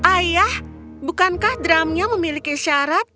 ayah bukankah drumnya memiliki syarat